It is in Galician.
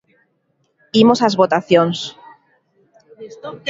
Imos ás votacións.